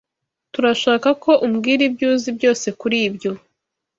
Turashaka ko umbwira ibyo uzi byose kuri ibyo.